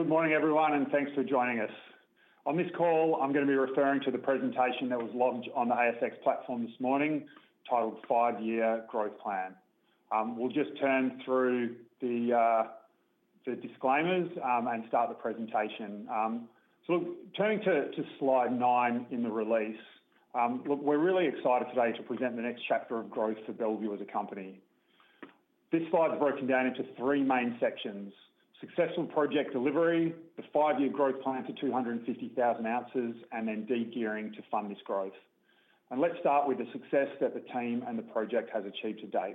Good morning, everyone, and thanks for joining us. On this call, I'm gonna be referring to the presentation that was lodged on the ASX platform this morning, titled Five-Year Growth Plan. We'll just turn through the disclaimers and start the presentation. So turning to Slide 9 in the release. Look, we're really excited today to present the next chapter of growth for Bellevue as a company. This slide is broken down into three main sections: successful project delivery, the five-year growth plan to 250,000 ounces, and then degearing to fund this growth. Let's start with the success that the team and the project has achieved to date.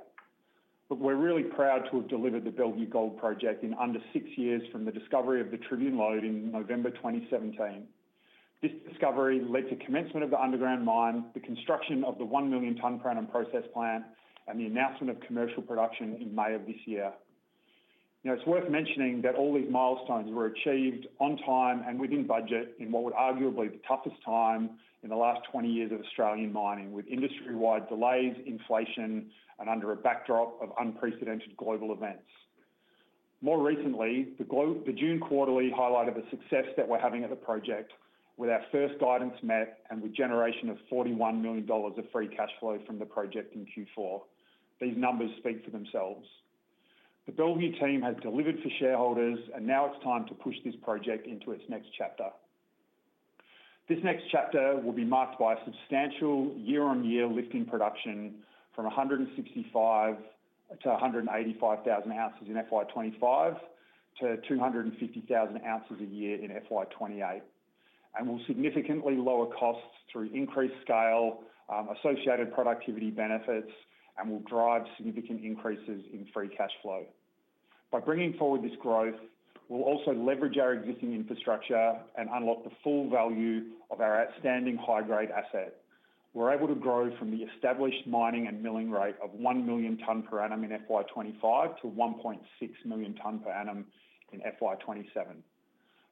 We're really proud to have delivered the Bellevue Gold Project in under 6 years from the discovery of the Tribune lode in November 2017. This discovery led to commencement of the underground mine, the construction of the 1 million tonne per annum process plant, and the announcement of commercial production in May of this year. Now, it's worth mentioning that all these milestones were achieved on time and within budget, in what would arguably be the toughest time in the last 20 years of Australian mining, with industry-wide delays, inflation, and under a backdrop of unprecedented global events. More recently, the June quarterly highlighted the success that we're having at the project, with our first guidance met and with generation of 41 million dollars of free cash flow from the project in Q4. These numbers speak for themselves. The Bellevue team has delivered for shareholders, and now it's time to push this project into its next chapter. This next chapter will be marked by a substantial year-on-year lift in production from 165,000 to 185,000 ounces in FY 2025 to 250,000 ounces a year in FY 2028. And we'll significantly lower costs through increased scale, associated productivity benefits, and will drive significant increases in free cash flow. By bringing forward this growth, we'll also leverage our existing infrastructure and unlock the full value of our outstanding high-grade asset. We're able to grow from the established mining and milling rate of 1 million tonne per annum in FY 2025-1.6 million tonne per annum in FY 2027.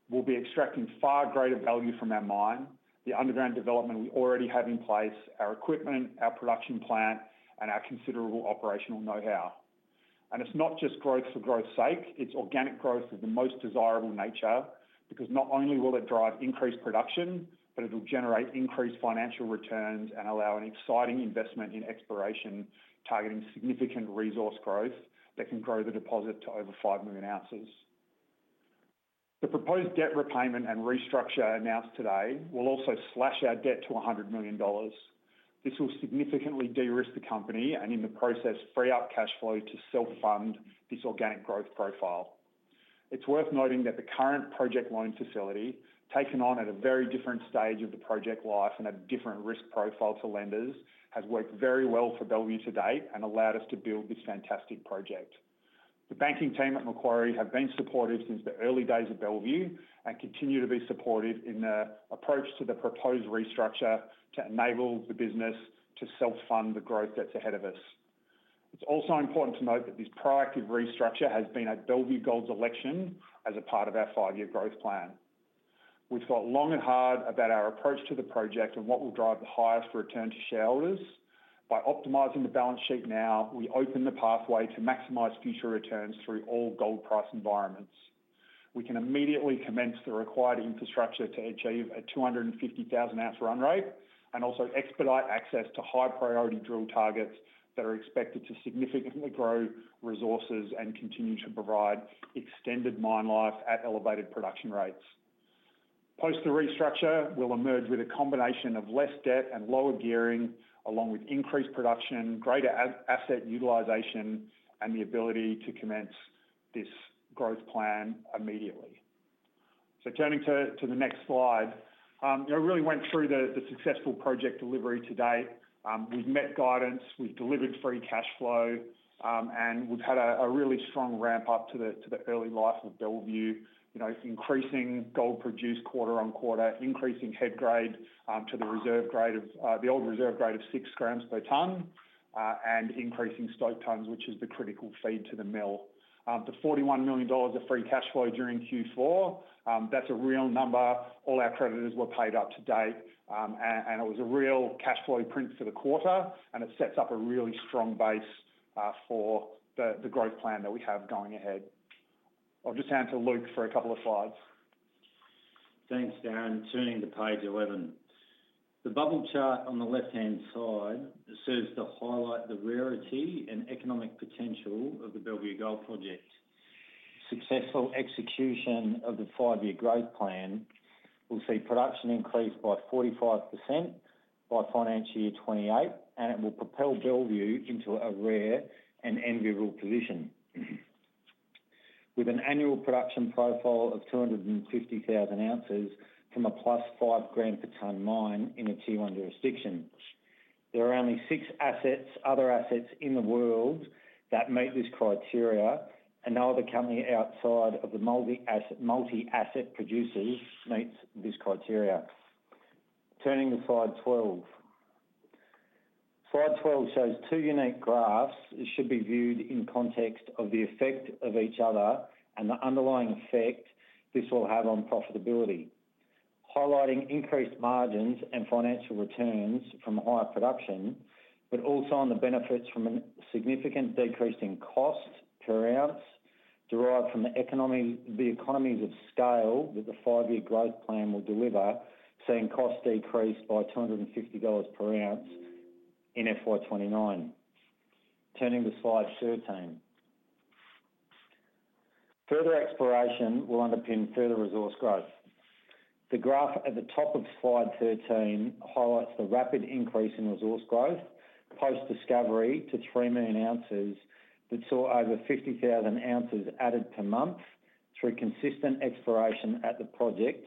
We'll be extracting far greater value from our mine, the underground development we already have in place, our equipment, our production plant, and our considerable operational know-how. It's not just growth for growth sake, it's organic growth of the most desirable nature, because not only will it drive increased production, but it will generate increased financial returns and allow an exciting investment in exploration, targeting significant resource growth that can grow the deposit to over 5 million ounces. The proposed debt repayment and restructure announced today will also slash our debt to 100 million dollars. This will significantly de-risk the company and, in the process, free up cash flow to self-fund this organic growth profile. It's worth noting that the current project loan facility, taken on at a very different stage of the project life and a different risk profile to lenders, has worked very well for Bellevue to date and allowed us to build this fantastic project. The banking team at Macquarie have been supportive since the early days of Bellevue and continue to be supportive in their approach to the proposed restructure to enable the business to self-fund the growth that's ahead of us. It's also important to note that this proactive restructure has been at Bellevue Gold's election as a part of our five-year growth plan. We've thought long and hard about our approach to the project and what will drive the highest return to shareholders. By optimizing the balance sheet now, we open the pathway to maximize future returns through all gold price environments. We can immediately commence the required infrastructure to achieve a 250,000 ounce run rate, and also expedite access to high priority drill targets that are expected to significantly grow resources and continue to provide extended mine life at elevated production rates. Post the restructure, we'll emerge with a combination of less debt and lower gearing, along with increased production, greater asset utilization, and the ability to commence this growth plan immediately. So turning to the next slide. You know, I really went through the successful project delivery to date. We've met guidance, we've delivered free cash flow, and we've had a really strong ramp-up to the early life of Bellevue. You know, increasing gold produced quarter-over-quarter, increasing head grade to the reserve grade of the old reserve grade of 6 g/t, and increasing stope tonnes, which is the critical feed to the mill. The 41 million dollars of free cash flow during Q4, that's a real number. All our creditors were paid up to date, and it was a real cash flow print for the quarter, and it sets up a really strong base, for the growth plan that we have going ahead. I'll just hand to Luke for a couple of slides. Thanks, Darren. Turning to page 11. The bubble chart on the left-hand side serves to highlight the rarity and economic potential of the Bellevue Gold Project. Successful execution of the five-year growth plan will see production increased by 45% by financial year 2028, and it will propel Bellevue into a rare and enviable position. With an annual production profile of 250,000 ounces from a +5 g/t mine in a Tier 1 jurisdiction. There are only six assets, other assets in the world, that meet this criteria, and no other company outside of the multi-asset, multi-asset producers meets this criteria. Turning to slide 12. Slide 12 shows two unique graphs, it should be viewed in context of the effect of each other and the underlying effect this will have on profitability. highlighting increased margins and financial returns from higher production, but also on the benefits from a significant decrease in cost per ounce, derived from the economy, the economies of scale that the Five-Year Growth Plan will deliver, seeing costs decrease by AUD 250 per ounce in FY 2029. Turning to slide 13. Further exploration will underpin further resource growth. The graph at the top of slide 13 highlights the rapid increase in resource growth, post-discovery to 3 million ounces, that saw over 50,000 ounces added per month through consistent exploration at the project,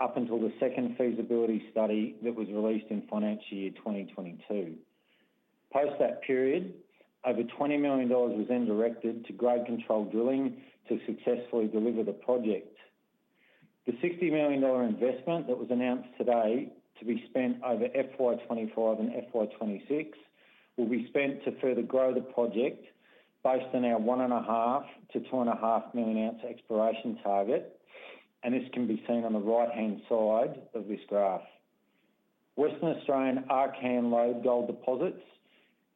up until the second feasibility study that was released in financial year 2022. Post that period, over 20 million dollars was then directed to grade control drilling to successfully deliver the project. The 60 million dollar investment that was announced today to be spent over FY 2025 and FY 2026, will be spent to further grow the project based on our 1.5-2.5 million ounce exploration target, and this can be seen on the right-hand side of this graph. Western Australian Archean lode gold deposits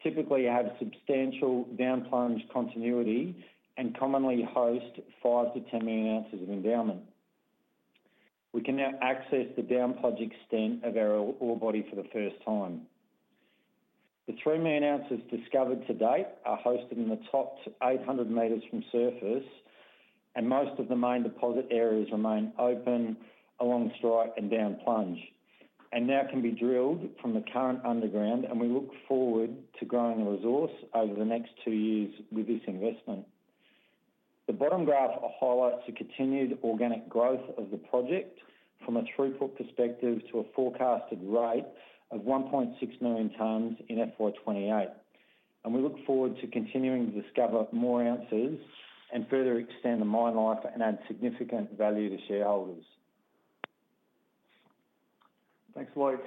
typically have substantial downplunge continuity and commonly host 5-10 million ounces of endowment. We can now access the downplunge extent of our ore, ore body for the first time. The 3 million ounces discovered to date are hosted in the top 800 meters from surface, and most of the main deposit areas remain open along strike and down plunge, and now can be drilled from the current underground, and we look forward to growing the resource over the next two years with this investment. The bottom graph highlights the continued organic growth of the project from a throughput perspective to a forecasted rate of 1.6 million tons in FY 2028. We look forward to continuing to discover more ounces and further extend the mine life and add significant value to shareholders. Thanks, Luke.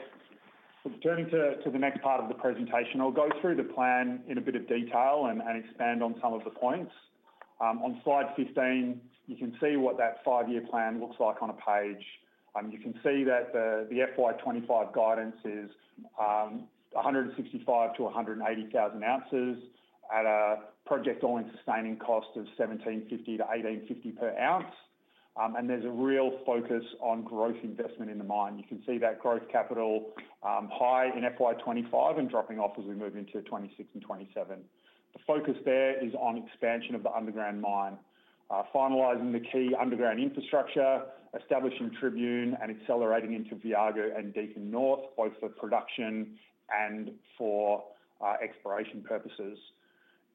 So turning to the next part of the presentation, I'll go through the plan in a bit of detail and expand on some of the points. On slide 15, you can see what that five-year plan looks like on a page. You can see that the FY 2025 guidance is 165,000-180,000 ounces at a project-all-in-sustaining cost of 1,750-1,850 per ounce. And there's a real focus on growth investment in the mine. You can see that growth capital high in FY 2025 and dropping off as we move into 2026 and 2027. The focus there is on expansion of the underground mine. Finalizing the key underground infrastructure, establishing Tribune, and accelerating into Viago and Deacon North, both for production and for exploration purposes.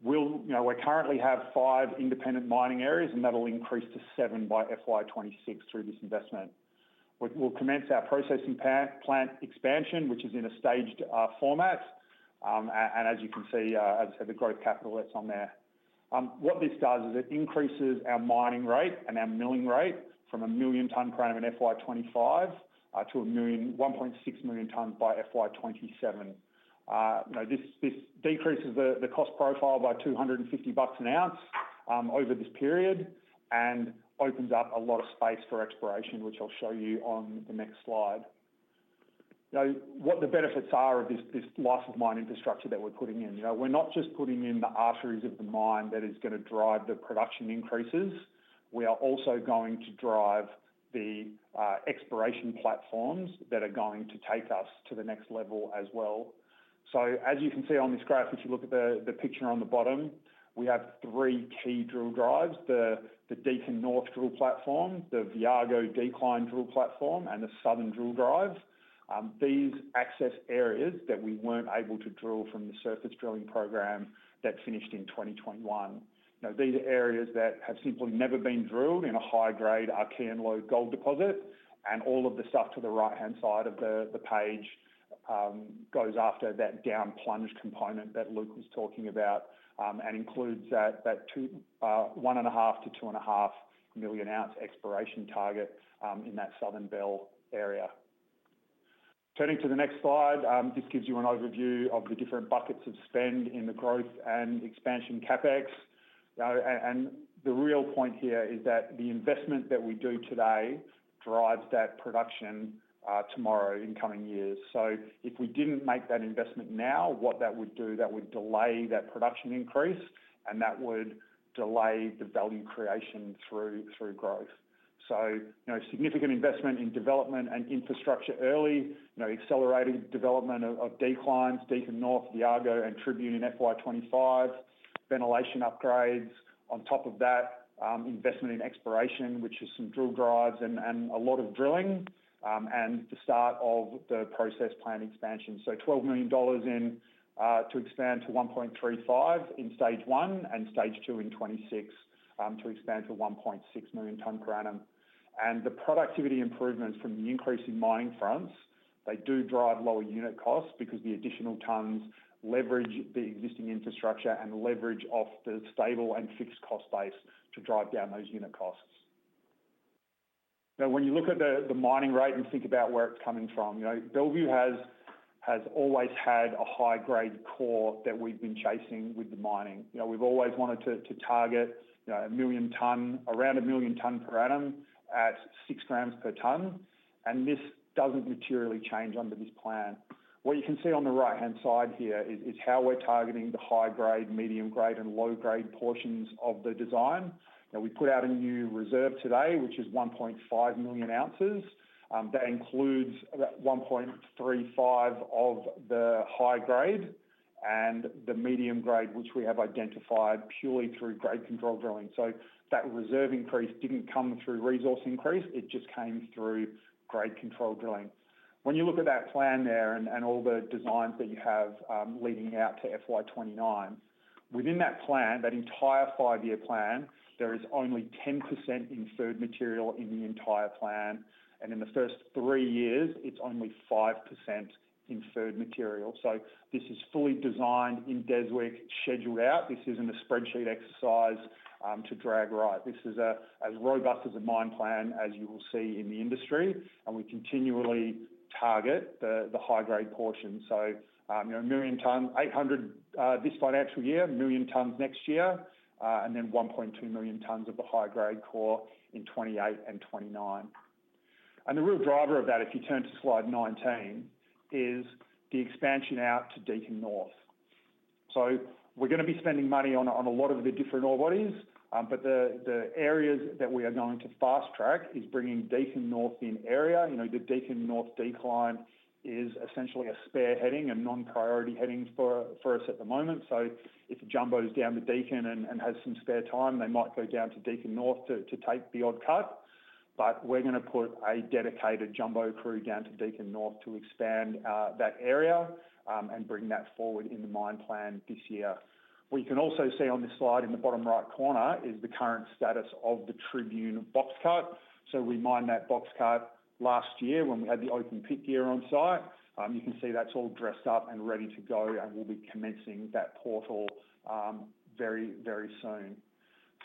You know, we currently have five independent mining areas, and that'll increase to 7 by FY 2026 through this investment. We'll commence our processing plant expansion, which is in a staged format. And, and as you can see, as I said, the growth capital that's on there. What this does is it increases our mining rate and our milling rate from 1 million TPA in FY 2025 to 1.6 million t by FY 2027. You know, this, this decreases the, the cost profile by $250 an ounce over this period, and opens up a lot of space for exploration, which I'll show you on the next slide. You know, what the benefits are of this, this life of mine infrastructure that we're putting in. You know, we're not just putting in the arteries of the mine that is gonna drive the production increases, we are also going to drive the exploration platforms that are going to take us to the next level as well. So as you can see on this graph, if you look at the picture on the bottom, we have three key drill drives: the Deacon North drill platform, the Viago Decline drill platform, and the Southern drill drive. These access areas that we weren't able to drill from the surface drilling program that finished in 2021. Now, these are areas that have simply never been drilled in a high-grade Archean lode gold deposit, and all of the stuff to the right-hand side of the page goes after that down plunge component that Luke was talking about. And includes 1.5-2.5 million ounce exploration target, in that Southern Belle area. Turning to the next slide, this gives you an overview of the different buckets of spend in the growth and expansion CapEx. And the real point here is that the investment that we do today drives that production, tomorrow in coming years. So if we didn't make that investment now, what that would do, that would delay that production increase, and that would delay the value creation through growth. So you know, significant investment in development and infrastructure early, you know, accelerating development of declines, Deacon North, Viago, and Tribune in FY 2025. Ventilation upgrades. On top of that, investment in exploration, which is some drill drives and a lot of drilling, and the start of the process plant expansion. So 12 million dollars in to expand to 1.35 in stage one, and stage two in 2026, to expand to 1.6 million TPA. And the productivity improvements from the increase in mining fronts, they do drive lower unit costs because the additional tons leverage the existing infrastructure and leverage off the stable and fixed cost base to drive down those unit costs. Now, when you look at the mining rate and think about where it's coming from, you know, Bellevue has always had a high-grade core that we've been chasing with the mining. You know, we've always wanted to target around 1 million TPA at 6 g/t, and this doesn't materially change under this plan. What you can see on the right-hand side here is how we're targeting the high-grade, medium-grade, and low-grade portions of the design. Now, we put out a new reserve today, which is 1.5 million ounces. That includes about 1.35 of the high-grade and the medium-grade, which we have identified purely through grade control drilling. So that reserve increase didn't come through resource increase, it just came through grade control drilling. When you look at that plan there and all the designs that you have, leading out to FY 2029, within that plan, that entire five-year plan, there is only 10% inferred material in the entire plan, and in the first three years, it's only 5% inferred material. So this is fully designed in Deswik, scheduled out. This isn't a spreadsheet exercise to drag right. This is as robust a mine plan as you will see in the industry, and we continually target the high-grade portion. So, you know, 1 million ton, 800, this financial year, 1 million tons next year, and then 1.2 million tons of the high-grade core in 2028 and 2029. And the real driver of that, if you turn to slide 19, is the expansion out to Deacon North. So we're gonna be spending money on a lot of the different ore bodies, but the areas that we are going to fast track is bringing Deacon North in area. You know, the Deacon North decline is essentially a spare heading, a non-priority heading for us at the moment. So if the jumbo's down to Deacon and has some spare time, they might go down to Deacon North to take the odd cut. But we're gonna put a dedicated jumbo crew down to Deacon North to expand that area and bring that forward in the mine plan this year. What you can also see on this slide in the bottom right corner is the current status of the Tribune box cut. So we mined that box cut last year when we had the open pit gear on site. You can see that's all dressed up and ready to go, and we'll be commencing that portal, very, very soon.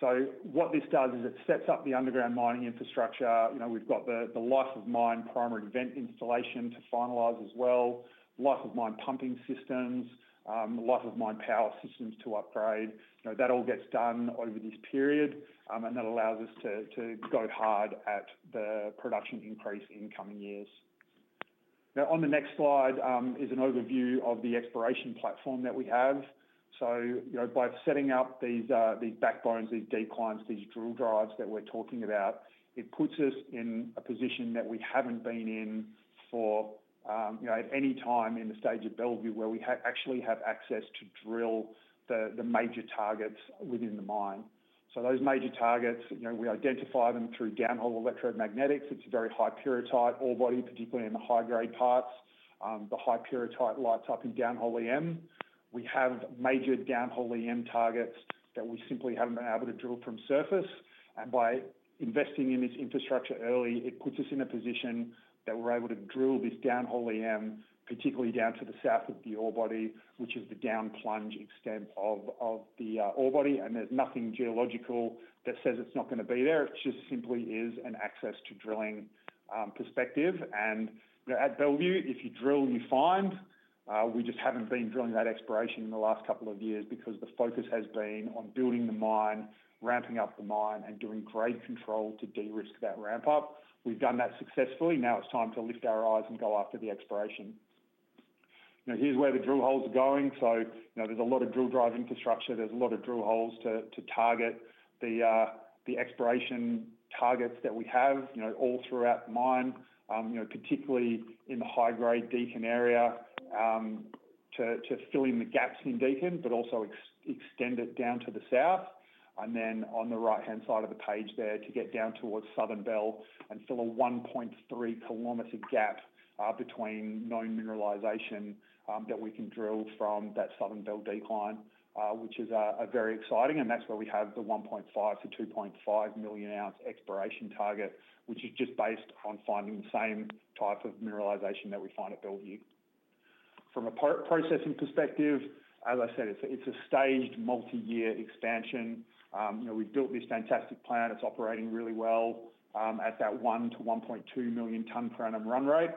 So what this does is it sets up the underground mining infrastructure. You know, we've got the life of mine, primary vent installation to finalize as well, life of mine pumping systems, life of mine power systems to upgrade. You know, that all gets done over this period, and that allows us to go hard at the production increase in coming years. Now, on the next slide, is an overview of the exploration platform that we have. So, you know, by setting up these backbones, these declines, these drill drives that we're talking about, it puts us in a position that we haven't been in for, you know, at any time in the stage of Bellevue, where we actually have access to drill the major targets within the mine. So those major targets, you know, we identify them through downhole electromagnetics. It's a very high pyrrhotite ore body, particularly in the high-grade parts. The high pyrrhotite lights up in downhole EM. We have major downhole EM targets that we simply haven't been able to drill from surface. And by investing in this infrastructure early, it puts us in a position that we're able to drill this downhole EM, particularly down to the south of the ore body, which is the down plunge extent of the ore body. There's nothing geological that says it's not gonna be there. It just simply is an access to drilling perspective. You know, at Bellevue, if you drill, you find. We just haven't been drilling that exploration in the last couple of years because the focus has been on building the mine, ramping up the mine, and doing grade control to de-risk that ramp up. We've done that successfully. Now it's time to lift our eyes and go after the exploration. Now, here's where the drill holes are going. So, you know, there's a lot of drill drive infrastructure, there's a lot of drill holes to target the exploration targets that we have, you know, all throughout the mine. You know, particularly in the high-grade Deacon area, to fill in the gaps in Deacon, but also extend it down to the south. And then on the right-hand side of the page there, to get down towards Southern Belle and fill a 1.3-km gap between known mineralization that we can drill from that Southern Belle decline, which is a very exciting-- and that's where we have the 1.5-2.5 million ounce exploration target, which is just based on finding the same type of mineralization that we find at Bellevue. From a processing perspective, as I said, it's a staged multi-year expansion. You know, we've built this fantastic plant. It's operating really well at that 1-1.2 million TPA run rate.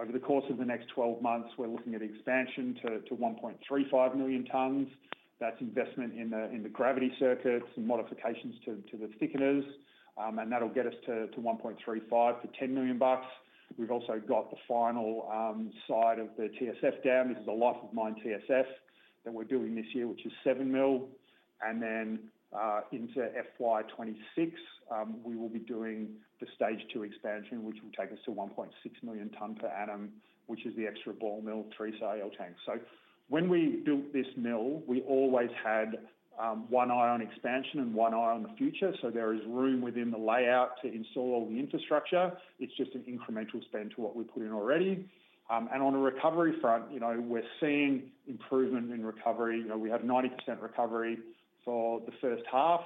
Over the course of the next 12 months, we're looking at expansion to 1.35 million t. That's investment in the gravity circuits and modifications to the thickeners. And that'll get us to 1.35 for 10 million bucks. We've also got the final side of the TSF dam. This is a life of mine TSF that we're doing this year, which is 7 million. And then into FY 2026, we will be doing the stage two expansion, which will take us to 1.6 million TPA, which is the extra ball mill, 3 CIL tanks. So when we built this mill, we always had one eye on expansion and one eye on the future. So there is room within the layout to install all the infrastructure. It's just an incremental spend to what we put in already. And on a recovery front, you know, we're seeing improvement in recovery. You know, we had 90% recovery for the first half.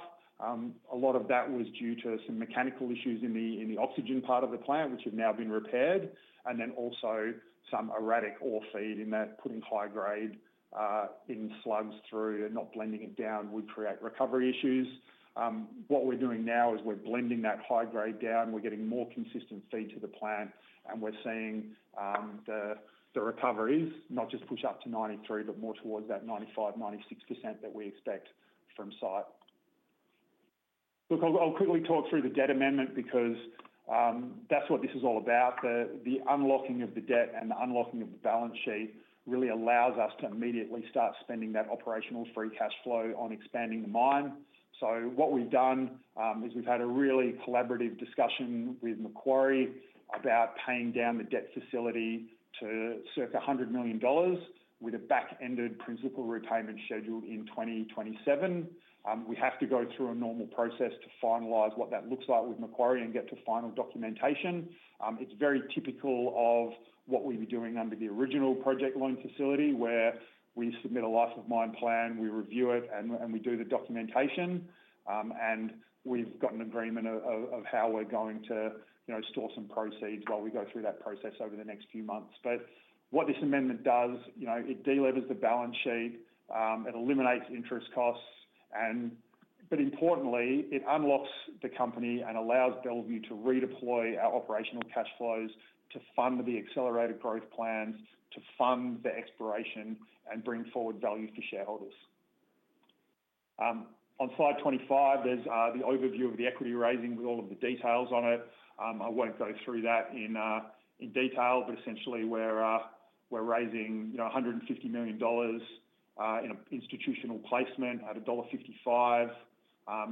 A lot of that was due to some mechanical issues in the, in the oxygen part of the plant, which have now been repaired, and then also some erratic ore feed in that, putting high grade, in slugs through and not blending it down would create recovery issues. What we're doing now is we're blending that high grade down. We're getting more consistent feed to the plant, and we're seeing, the, the recoveries not just push up to 93%, but more towards that 95, 96% that we expect from site. Look, I'll, I'll quickly talk through the debt amendment because, that's what this is all about. The unlocking of the debt and the unlocking of the balance sheet really allows us to immediately start spending that operational free cash flow on expanding the mine. So what we've done is we've had a really collaborative discussion with Macquarie about paying down the debt facility to circa 100 million dollars, with a back-ended principal repayment schedule in 2027. We have to go through a normal process to finalize what that looks like with Macquarie and get to final documentation. It's very typical of what we'd be doing under the original project loan facility, where we submit a life of mine plan, we review it, and we do the documentation. And we've got an agreement of how we're going to, you know, store some proceeds while we go through that process over the next few months. But what this amendment does, you know, it de-levers the balance sheet, it eliminates interest costs and... But importantly, it unlocks the company and allows Bellevue to redeploy our operational cash flows to fund the accelerated growth plans, to fund the exploration, and bring forward value for shareholders. On slide 25, there's the overview of the equity raising with all of the details on it. I won't go through that in detail, but essentially we're raising, you know, 150 million dollars in an institutional placement at dollar 1.55.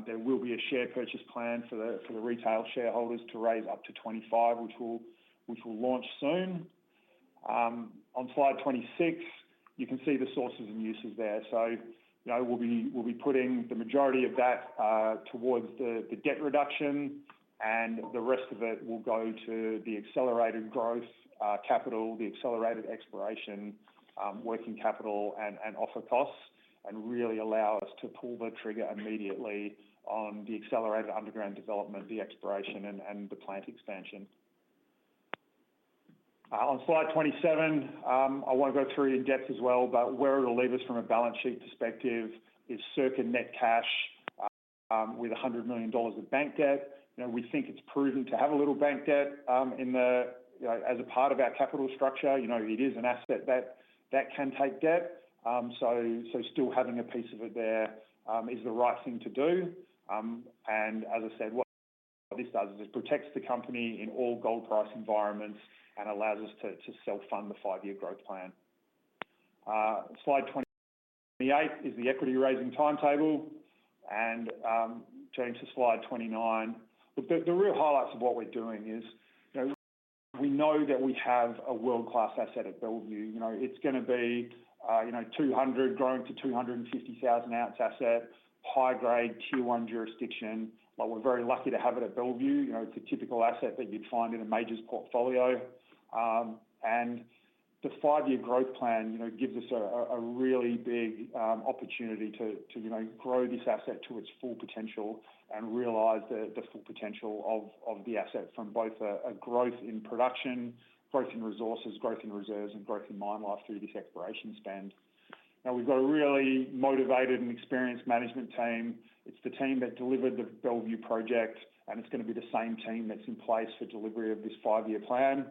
There will be a share purchase plan for the retail shareholders to raise up to 25 million, which will launch soon. On slide 26, you can see the sources and uses there. You know, we'll be putting the majority of that towards the debt reduction, and the rest of it will go to the accelerated growth capital, the accelerated exploration, working capital, and offer costs, and really allow us to pull the trigger immediately on the accelerated underground development, the exploration, and the plant expansion. On slide 27, I want to go through in depth as well, but where it'll leave us from a balance sheet perspective is circa net cash with 100 million dollars of bank debt. You know, we think it's prudent to have a little bank debt in the, you know, as a part of our capital structure. You know, it is an asset that can take debt. So, so still having a piece of it there is the right thing to do. And as I said, what this does is it protects the company in all gold price environments and allows us to self-fund the Five-Year Growth Plan. Slide 28 is the equity raising timetable, and James to slide 29. Look, the real highlights of what we're doing is, you know, we know that we have a world-class asset at Bellevue. You know, it's gonna be, you know, 200, growing to 250,000 ounce asset, high-grade tier one jurisdiction. But we're very lucky to have it at Bellevue. You know, it's a typical asset that you'd find in a majors portfolio. And the five-year growth plan, you know, gives us a really big opportunity to, you know, grow this asset to its full potential and realize the full potential of the asset from both a growth in production, growth in resources, growth in reserves, and growth in mine life through this exploration spend. Now, we've got a really motivated and experienced management team. It's the team that delivered the Bellevue project, and it's gonna be the same team that's in place for delivery of this five-year plan.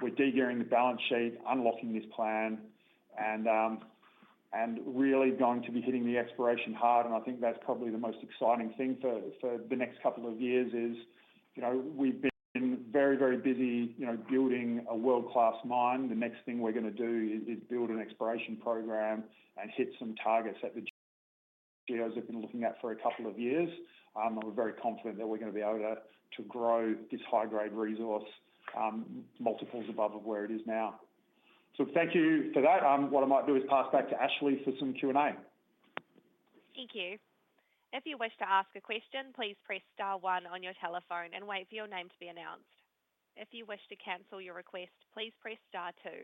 We're de-gearing the balance sheet, unlocking this plan, and really going to be hitting the exploration hard. And I think that's probably the most exciting thing for the next couple of years is, you know, we've been very, very busy, you know, building a world-class mine. The next thing we're gonna do is build an exploration program and hit some targets that the geos have been looking at for a couple of years. And we're very confident that we're gonna be able to grow this high-grade resource multiples above of where it is now. So thank you for that. What I might do is pass back to Ashley for some Q&A. Thank you. If you wish to ask a question, please press star one on your telephone and wait for your name to be announced. If you wish to cancel your request, please press star two.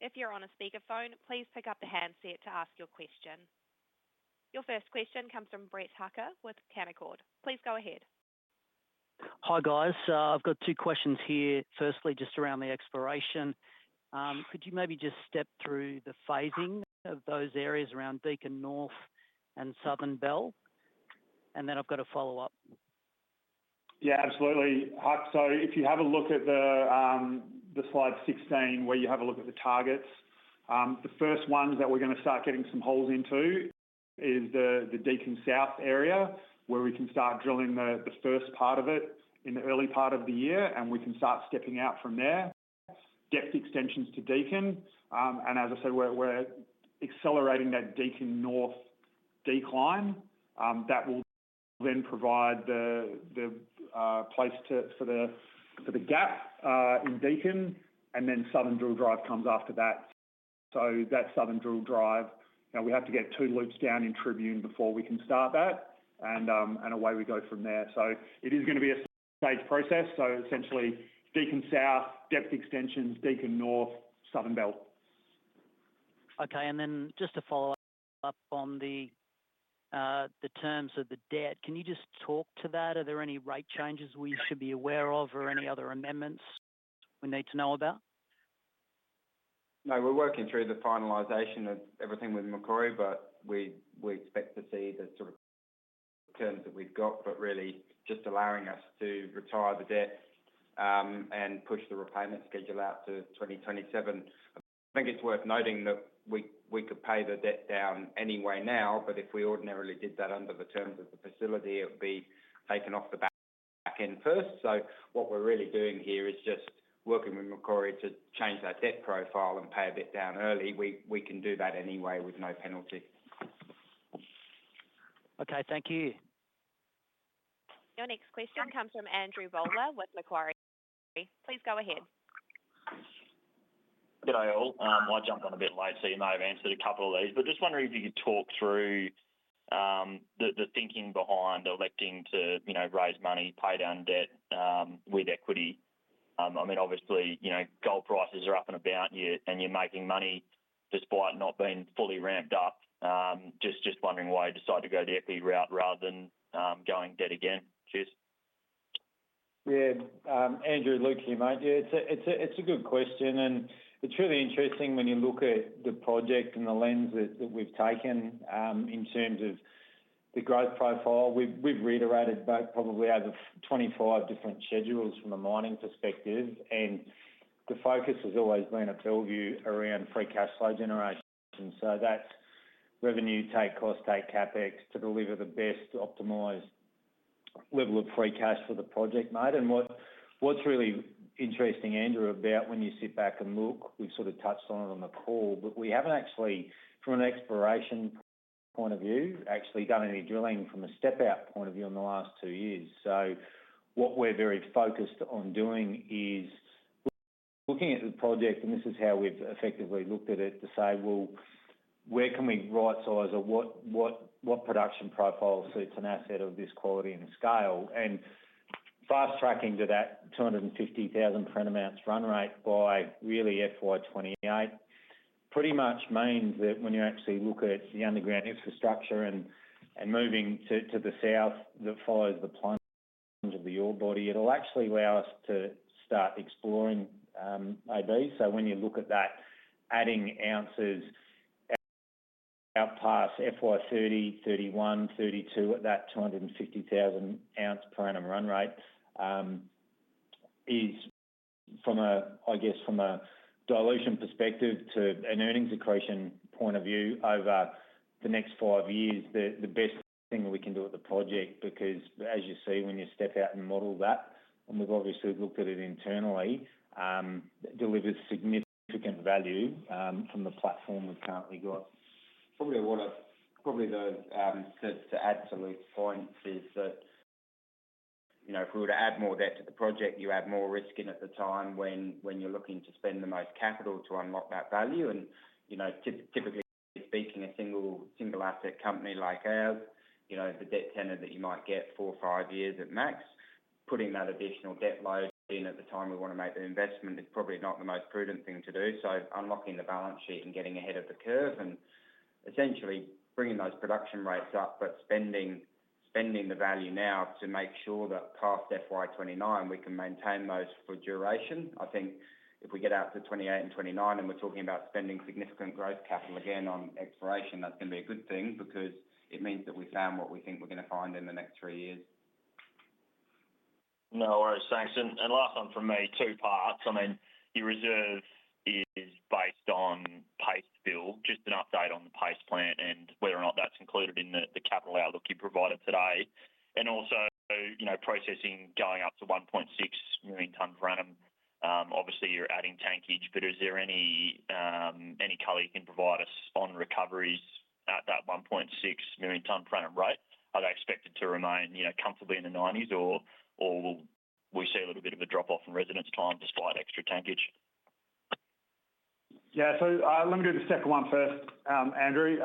If you're on a speakerphone, please pick up the handset to ask your question. Your first question comes from Brett Hacker with Canaccord. Please go ahead. Hi, guys. I've got two questions here. Firstly, just around the exploration. Could you maybe just step through the phasing of those areas around Deacon North and Southern Belle? And then I've got a follow-up. Yeah, absolutely. So if you have a look at the slide 16, where you have a look at the targets, the first ones that we're gonna start getting some holes into is the Deacon South area, where we can start drilling the first part of it in the early part of the year, and we can start stepping out from there. Depth extensions to Deacon, and as I said, we're accelerating that Deacon North decline. That will then provide the place for the gap in Deacon, and then Southern Decline comes after that. So that Southern Decline, now we have to get 2 loops down in Tribune before we can start that, and away we go from there. So it is gonna be a stage process. So essentially, Deacon South, depth extensions, Deacon North, Southern Belle. Okay, and then just to follow up on the, the terms of the debt, can you just talk to that? Are there any rate changes we should be aware of or any other amendments we need to know about? No, we're working through the finalization of everything with Macquarie, but we expect to see the sort of terms that we've got, but really just allowing us to retire the debt, and push the repayment schedule out to 2027. I think it's worth noting that we could pay the debt down anyway now, but if we ordinarily did that under the terms of the facility, it would be taken off the back end first. So what we're really doing here is just working with Macquarie to change our debt profile and pay a bit down early. We can do that anyway with no penalty. Okay, thank you. Your next question comes from Andrew Bowler with Macquarie. Please go ahead. G'day, all. I jumped on a bit late, so you may have answered a couple of these, but just wondering if you could talk through the thinking behind electing to, you know, raise money, pay down debt with equity. I mean, obviously, you know, gold prices are up and about, and you're making money despite not being fully ramped up. Just wondering why you decided to go the equity route rather than going debt again. Cheers. Yeah, Andrew, Luke here, mate. Yeah, it's a good question, and it's really interesting when you look at the project and the lens that we've taken in terms of the growth profile. We've reiterated back probably out of 25 different schedules from a mining perspective, and the focus has always been at Bellevue around free cash flow generation. So that's revenue take, cost take, CapEx to deliver the best optimized level of free cash for the project, mate. And what's really interesting, Andrew, about when you sit back and look, we've sort of touched on it on the call, but we haven't actually, from an exploration point of view, actually done any drilling from a step-out point of view in the last two years. So what we're very focused on doing is looking at the project, and this is how we've effectively looked at it, to say, "Well, where can we rightsize or what production profile suits an asset of this quality and scale?" And fast-tracking to that 250,000 ounces per annum run rate by really FY 2028, pretty much means that when you actually look at the underground infrastructure and moving to the south, that follows the plunge of the ore body, it'll actually allow us to start exploring at depth. So when you look at that, adding ounces out past FY 30, 31, 32 at that 250,000 ounce per annum run rate, is from a, I guess, from a dilution perspective to an earnings accretion point of view over the next five years, the best thing we can do with the project. Because as you see, when you step out and model that, and we've obviously looked at it internally, it delivers significant value, from the platform we've currently got. Probably what I've to add to Luke's point is that, you know, if we were to add more debt to the project, you add more risk in at the time when you're looking to spend the most capital to unlock that value. And, you know, typically speaking, a single asset company like ours, you know, the debt tenor that you might get four or five years at max, putting that additional debt load in at the time we want to make the investment is probably not the most prudent thing to do. So unlocking the balance sheet and getting ahead of the curve and essentially bringing those production rates up, but spending the value now to make sure that past FY 2029, we can maintain those for duration. I think if we get out to 2028 and 2029, and we're talking about spending significant growth capital again on exploration, that's gonna be a good thing because it means that we found what we think we're gonna find in the next three years. No worries. Thanks. And last one from me, two parts. I mean, your reserve is based on paste fill, just an update on the paste plan and whether or not that's included in the capital outlook you provided today. And also, you know, processing going up to 1.6 million TPA. Obviously, you're adding tankage, but is there any color you can provide us on recoveries at that 1.6 million TPA rate? Are they expected to remain, you know, comfortably in the nineties, or will we see a little bit of a drop-off in residence time, despite extra tankage? Yeah, so, let me do the second one first. Andrew,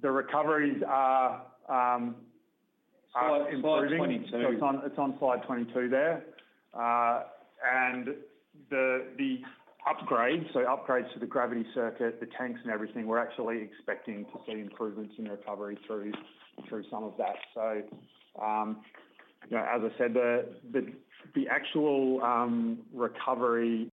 the recoveries are improving. Slide twenty-two. It's on, it's on slide 22 there. And the upgrade, so upgrades to the gravity circuit, the tanks and everything, we're actually expecting to see improvements in recovery through some of that. So, you know, as I said, the actual recovery...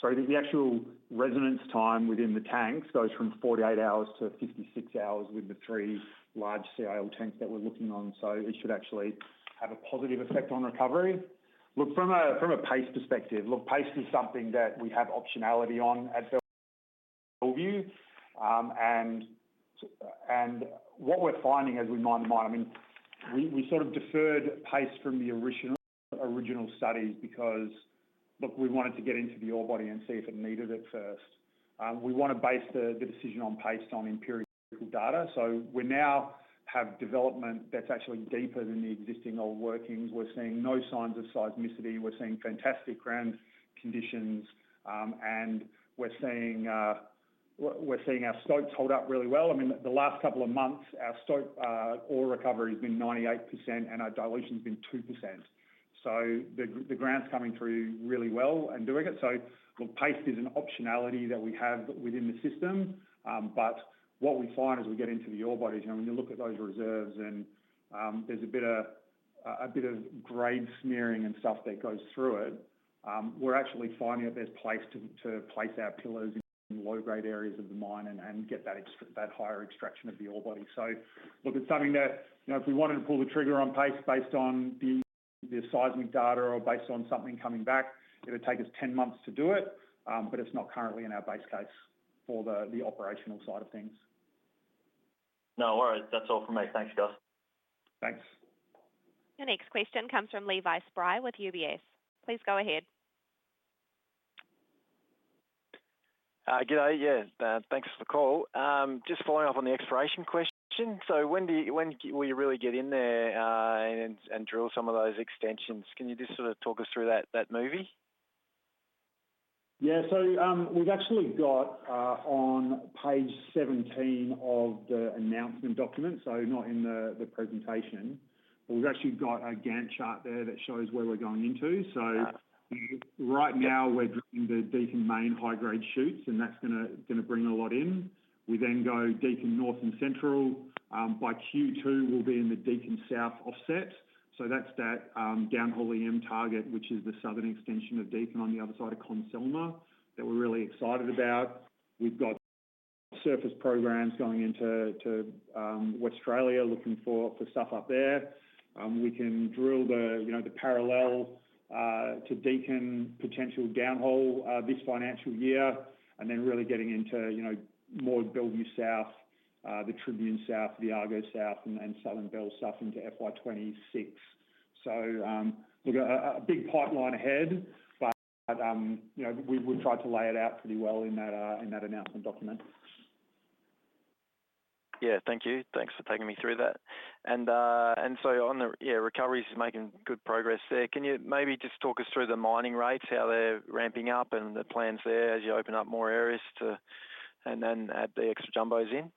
Sorry, the actual residence time within the tanks goes from 48 hours-56 hours with the three large scale tanks that we're looking on. So it should actually have a positive effect on recovery. Look, from a pace perspective, look, pace is something that we have optionality on at Bellevue. And what we're finding as we mine the mine, I mean, we sort of deferred pace from the original studies because, look, we wanted to get into the ore body and see if it needed it first. We want to base the decision on pace on empirical data. So we now have development that's actually deeper than the existing old workings. We're seeing no signs of seismicity, we're seeing fantastic ground conditions, and we're seeing our stopes hold up really well. I mean, the last couple of months, our stope ore recovery has been 98%, and our dilution has been 2%. So the ground's coming through really well and doing it. So look, pace is an optionality that we have within the system, but what we find as we get into the ore bodies, and when you look at those reserves and, there's a bit of-... a bit of grade smearing and stuff that goes through it, we're actually finding that there's place to place our pillars in low-grade areas of the mine and get that higher extraction of the ore body. So look, it's something that, you know, if we wanted to pull the trigger on pace based on the seismic data or based on something coming back, it would take us 10 months to do it, but it's not currently in our base case for the operational side of things. No worries. That's all from me. Thanks, guys. Thanks. Your next question comes from Levi Spry with UBS. Please go ahead. Good day. Yes, thanks for the call. Just following up on the exploration question. So when do you—when will you really get in there and drill some of those extensions? Can you just sort of talk us through that, that movie? Yeah. So, we've actually got, on page 17 of the announcement document, so not in the, the presentation, but we've actually got a Gantt chart there that shows where we're going into. Right. So right now, we're drilling the Deacon main high-grade shoots, and that's gonna bring a lot in. We then go Deacon North and Central. By Q2, we'll be in the Deacon South Offset. So that's that downhole EM target, which is the southern extension of Deacon on the other side of Consols, that we're really excited about. We've got surface programs going into Westralia, looking for stuff up there. We can drill the, you know, the parallel to Deacon potential downhole this financial year, and then really getting into, you know, more Bellevue South, the Tribune South, the Argonaut South, and then Southern Belle stuff into FY 2026. So, look, a big pipeline ahead, but, you know, we tried to lay it out pretty well in that announcement document. Yeah. Thank you. Thanks for taking me through that. Yeah, recovery is making good progress there. Can you maybe just talk us through the mining rates, how they're ramping up, and the plans there as you open up more areas to, and then add the extra jumbos in?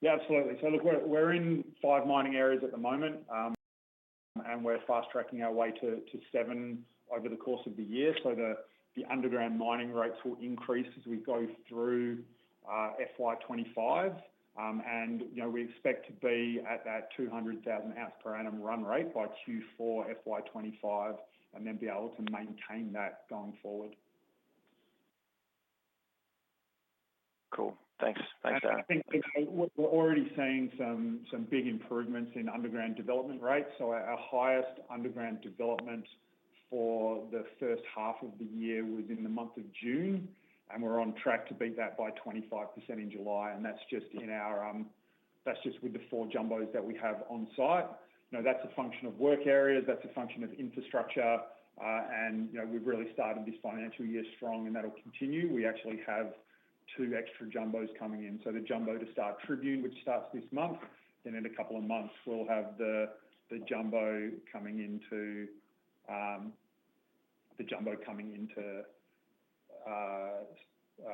Yeah, absolutely. So look, we're in five mining areas at the moment, and we're fast-tracking our way to seven over the course of the year. So the underground mining rates will increase as we go through FY25. And, you know, we expect to be at that 200,000 ounce per annum run rate by Q4 FY25, and then be able to maintain that going forward. Cool. Thanks. Thanks for that. I think we're already seeing some big improvements in underground development rates. So our highest underground development for the first half of the year was in the month of June, and we're on track to beat that by 25% in July, and that's just in our... That's just with the four jumbos that we have on site. You know, that's a function of work areas, that's a function of infrastructure, and, you know, we've really started this financial year strong, and that will continue. We actually have two extra jumbos coming in. So the jumbo to start Tribune, which starts this month, then in a couple of months, we'll have the, the jumbo coming into, the jumbo coming into,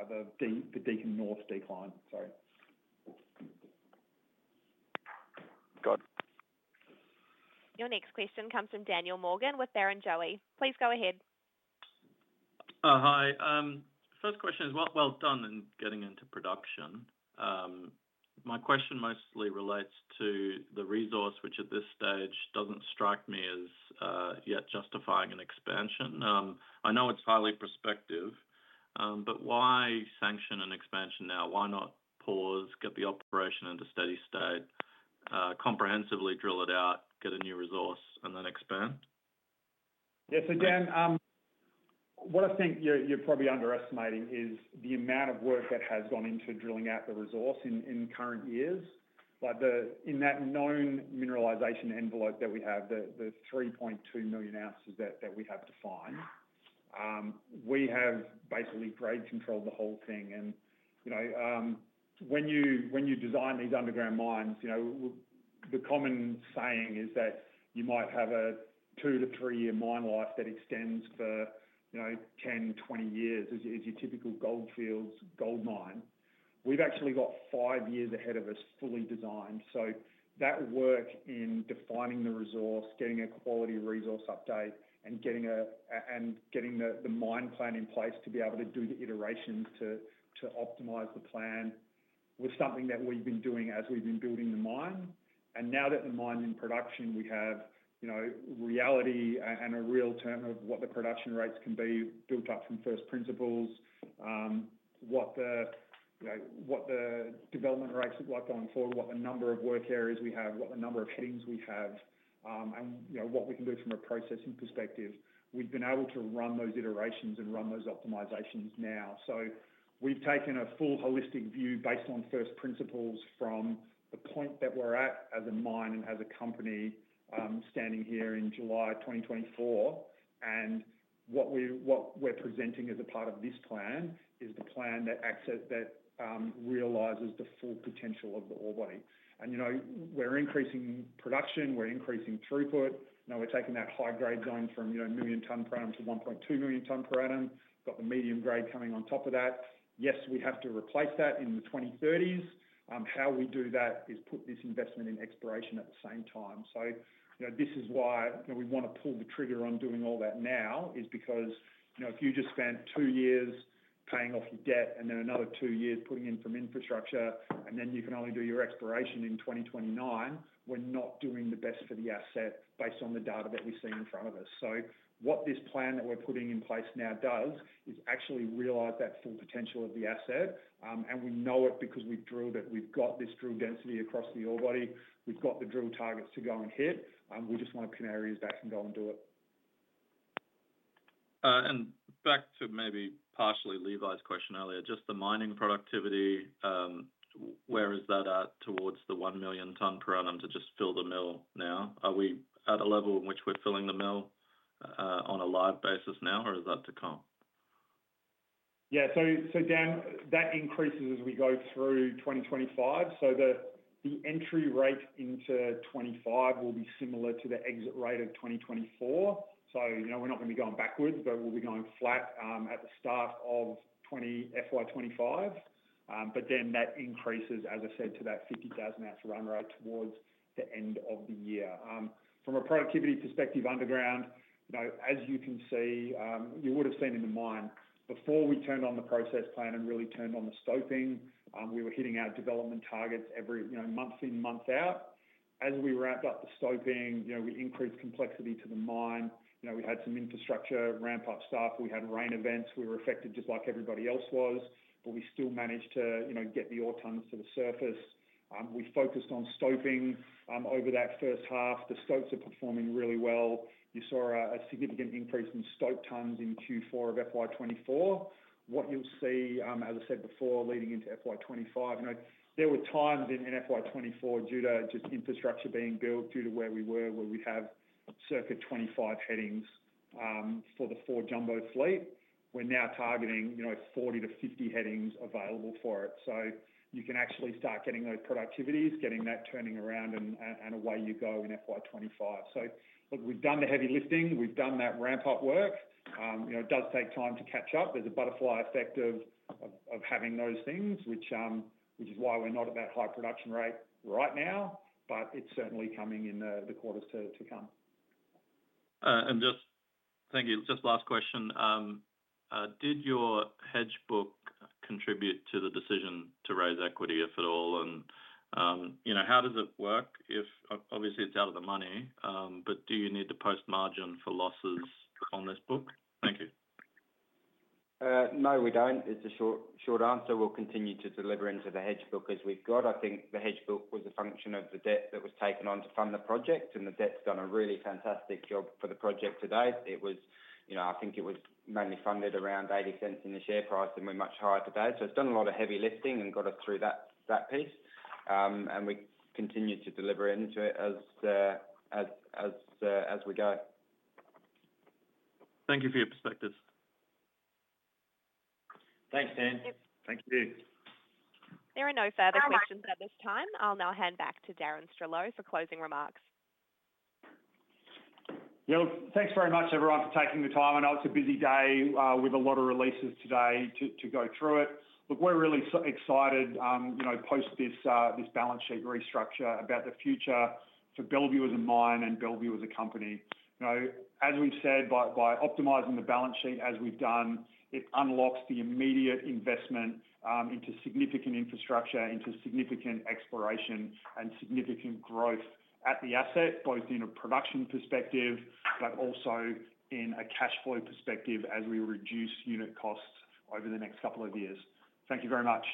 the De- the Deacon North decline. Sorry. Got it. Your next question comes from Daniel Morgan with Barrenjoey. Please go ahead. Hi. First question is, well, well done in getting into production. My question mostly relates to the resource, which at this stage doesn't strike me as yet justifying an expansion. I know it's highly prospective, but why sanction an expansion now? Why not pause, get the operation into steady state, comprehensively drill it out, get a new resource, and then expand? Yes, so Dan, what I think you're probably underestimating is the amount of work that has gone into drilling out the resource in current years. Like, in that known mineralization envelope that we have, the 3.2 million ounces that we have defined, we have basically grade controlled the whole thing. And, you know, when you design these underground mines, you know, the common saying is that you might have a 2-3-year mine life that extends for, you know, 10, 20 years, is your typical gold fields, gold mine. We've actually got 5 years ahead of us, fully designed. So that work in defining the resource, getting a quality resource update, and getting the mine plan in place to be able to do the iterations to optimize the plan, was something that we've been doing as we've been building the mine. And now that the mine in production, we have, you know, a reality and a real term of what the production rates can be built up from first principles. What the, you know, what the development rates look like going forward, what the number of work areas we have, what the number of headings we have, and, you know, what we can do from a processing perspective. We've been able to run those iterations and run those optimizations now. So we've taken a full holistic view based on first principles from the point that we're at as a mine and as a company, standing here in July 2024. What we, what we're presenting as a part of this plan, is the plan that realizes the full potential of the ore body. You know, we're increasing production, we're increasing throughput. Now, we're taking that high-grade zone from, you know, 1 million TPA to 1.2 million TPA. Got the medium grade coming on top of that. Yes, we have to replace that in the 2030s. How we do that is put this investment in exploration at the same time. So, you know, this is why, you know, we want to pull the trigger on doing all that now, is because, you know, if you just spent two years-... paying off your debt, and then another two years putting in some infrastructure, and then you can only do your exploration in 2029. We're not doing the best for the asset based on the data that we see in front of us. So what this plan that we're putting in place now does is actually realize that full potential of the asset. And we know it because we've drilled it. We've got this drill density across the ore body. We've got the drill targets to go and hit, and we just want to canaries back and go and do it. And back to maybe partially Levi's question earlier, just the mining productivity, where is that at towards the 1 million TPA to just fill the mill now? Are we at a level in which we're filling the mill, on a live basis now, or is that to come? Yeah. So, Dan, that increases as we go through 2025. So the entry rate into 2025 will be similar to the exit rate of 2024. So, you know, we're not going to be going backwards, but we'll be going flat at the start of FY 2025. But then that increases, as I said, to that 50,000 ounce run rate towards the end of the year. From a productivity perspective, underground, you know, as you can see, you would have seen in the mine before we turned on the process plant and really turned on the stoping, we were hitting our development targets every, you know, month in, month out. As we wrapped up the stoping, you know, we increased complexity to the mine. You know, we had some infrastructure ramp up stuff. We had rain events. We were affected just like everybody else was, but we still managed to, you know, get the ore tons to the surface. We focused on stoping over that first half. The stopes are performing really well. You saw a significant increase in stope tons in Q4 of FY 2024. What you'll see, as I said before, leading into FY 2025, you know, there were times in FY 2024 due to just infrastructure being built, due to where we were, where we'd have circa 25 headings for the 4 jumbo fleet. We're now targeting, you know, 40-50 headings available for it. So you can actually start getting those productivities, getting that turning around, and away you go in FY 2025. So look, we've done the heavy lifting, we've done that ramp-up work. You know, it does take time to catch up. There's a butterfly effect of having those things, which is why we're not at that high production rate right now, but it's certainly coming in the quarters to come. And just thank you. Just last question. Did your hedge book contribute to the decision to raise equity, if at all? And you know, how does it work? If, obviously, it's out of the money, but do you need to post margin for losses on this book? Thank you. No, we don't. It's a short, short answer. We'll continue to deliver into the hedge book as we've got. I think the hedge book was a function of the debt that was taken on to fund the project, and the debt's done a really fantastic job for the project to date. It was, you know, I think it was mainly funded around 0.80 in the share price, and we're much higher today. So it's done a lot of heavy lifting and got us through that piece. And we continue to deliver into it as we go. Thank you for your perspectives. Thanks, Dan. Thank you. There are no further questions at this time. I'll now hand back to Darren Stralow for closing remarks. Yeah, look, thanks very much, everyone, for taking the time. I know it's a busy day with a lot of releases today to go through it. Look, we're really so excited, you know, post this balance sheet restructure about the future for Bellevue as a mine and Bellevue as a company. You know, as we've said, by optimizing the balance sheet as we've done, it unlocks the immediate investment into significant infrastructure, into significant exploration, and significant growth at the asset, both in a production perspective, but also in a cash flow perspective as we reduce unit costs over the next couple of years. Thank you very much!